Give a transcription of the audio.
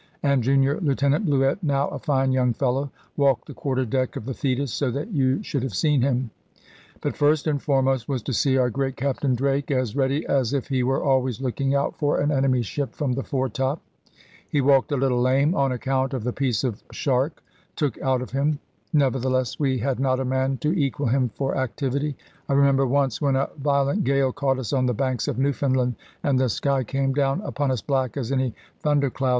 And junior Lieutenant Bluett, now a fine young fellow, walked the quarter deck of the Thetis, so that you should have seen him. But first and foremost was to see our great Captain Drake; as ready as if he were always looking out for an enemy's ship from the foretop. He walked a little lame, on account of the piece the shark took out of him; nevertheless we had not a man to equal him for activity. I remember once when a violent gale caught us on the banks of Newfoundland, and the sky came down upon us black as any thunder cloud.